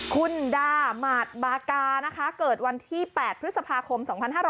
คุณดาหมาดบากานะคะเกิดวันที่๘พฤษภาคม๒๕๕๙